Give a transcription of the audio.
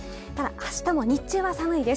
明日も日中は寒いです